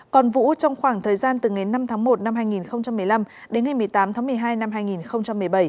còn vũ trong khoảng thời gian từ ngày năm tháng một năm hai nghìn một mươi năm đến ngày một mươi tám tháng một mươi hai năm hai nghìn một mươi bảy